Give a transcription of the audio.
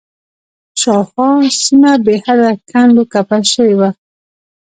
شاوخوا سیمه بېحده کنډ و کپر شوې وه.